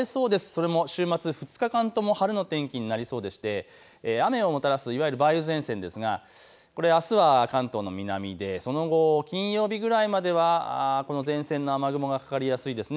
それも週末２日間とも晴れの天気になりそうでして雨をもたらす梅雨前線ですがあすは関東の南でその後、金曜日ぐらいまでは前線の雨雲がかかりやすいです。